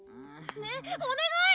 ねっお願い！